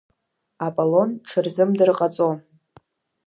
Аполон ҽырзымдыр ҟаҵо.